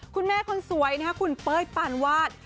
คุณแม่คนสวยนะครับคุณเป้ยปานวาด